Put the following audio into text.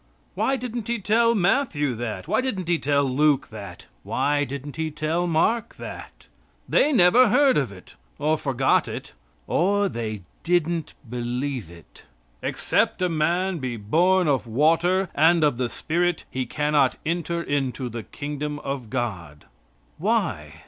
"'" Why didn't He tell Matthew that? Why didn't He tell Luke that? Why didn't He tell Mark that? They never heard of it, or forgot it, or they didn't believe it. "Except a man be born of water and of the Spirit he cannot enter into the Kingdom of God." Why?